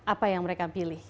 apa yang mereka pilih